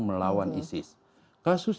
melawan isis kasus